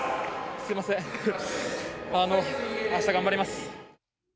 すみません、あした頑張ります。